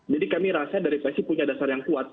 jadi kami rasa dari versi punya dasar yang kuat